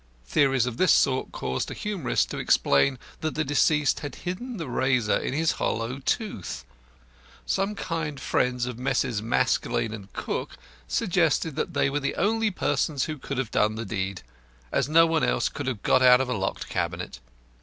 Theories of this sort caused a humorist to explain that the deceased had hidden the razor in his hollow tooth! Some kind friend of Messrs. Maskelyne and Cook suggested that they were the only persons who could have done the deed, as no one else could get out of a locked cabinet.